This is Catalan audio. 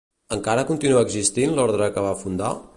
Encara continua existint l'ordre que va fundar?